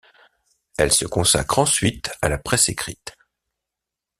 Elle se consacre ensuite à la presse écrite.